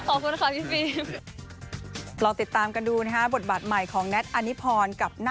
โอ้แป๊บอยากกินอะไรอ่ะ